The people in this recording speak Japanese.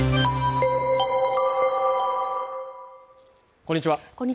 こんにちは